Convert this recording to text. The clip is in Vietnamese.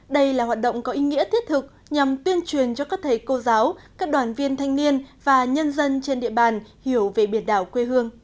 đây là hoạt động có ý nghĩa thiết thực nhằm tuyên truyền cho các thầy cô giáo các đoàn viên thanh niên và nhân dân trên địa bàn hiểu